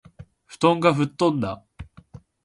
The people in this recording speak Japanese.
布団が吹っ飛んだ